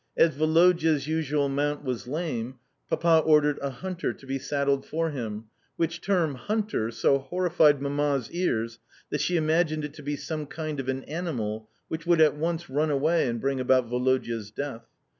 As Woloda's usual mount was lame, Papa ordered a "hunter" to be saddled for him; which term, "hunter" so horrified Mamma's ears, that she imagined it to be some kind of an animal which would at once run away and bring about Woloda's death.